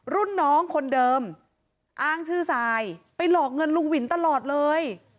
รุ่นน้องคนเดิมอ้างชื่อทรายไปหลอกเงินลุงวินตลอดเลย